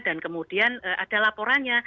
dan kemudian ada laporannya